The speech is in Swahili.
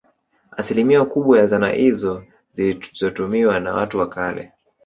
Asilimia kubwa ya zana izo zilizotumiwa na watu wa kale